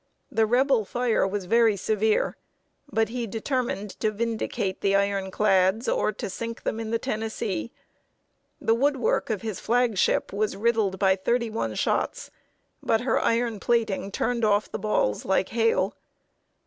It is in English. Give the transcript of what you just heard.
The Rebel fire was very severe; but he determined to vindicate the iron clads or to sink them in the Tennessee. The wood work of his flag ship was riddled by thirty one shots, but her iron plating turned off the balls like hail.